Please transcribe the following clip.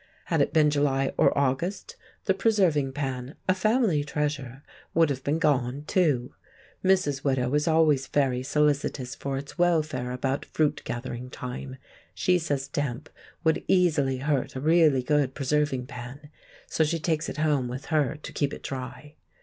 Had it been July or August, the preserving pan—a family treasure—would have been gone, too. Mrs. Widow is always very solicitous for its welfare about fruit gathering time; she says damp would easily hurt a really good preserving pan, so she takes it home with her to keep it dry.